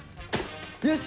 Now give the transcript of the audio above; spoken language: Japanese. よし！